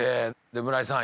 村井さん